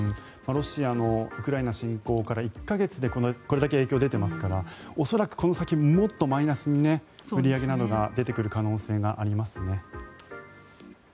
ロシアのウクライナ侵攻から１か月でこれだけ影響が出ていますから恐らくこの先もっとマイナスに売り上げなどが出てくる可能性がありますね。